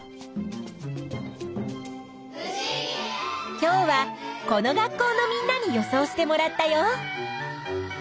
今日はこの学校のみんなに予想してもらったよ。